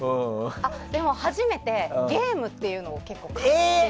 でも、初めてゲームっていうのを買って。